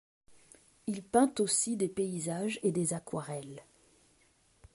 Il peint aussi des paysages et des aquarelles.